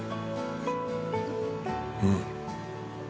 うん！